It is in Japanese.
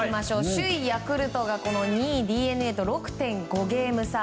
首位、ヤクルトが、２位のＤｅＮＡと６．５ゲーム差。